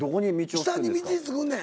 下に道を作んねん。